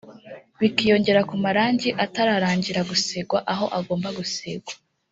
bikiyongera ku marangi atararangira gusigwa aho agomba gusigwa